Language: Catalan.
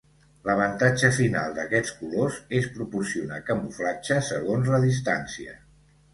L'avantatge final d'aquests colors és proporcionar camuflatge segons la distància.